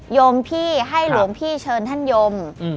ยมพี่ให้หลวงพี่เชิญท่านยม